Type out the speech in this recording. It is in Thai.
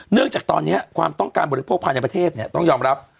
จากตอนนี้ความต้องการบริโภคภายในประเทศต้องยอมรับ